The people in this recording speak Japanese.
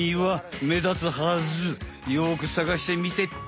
よくさがしてみてっぴ。